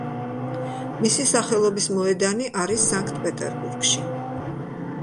მისი სახელობის მოედანი არის სანქტ-პეტერბურგში.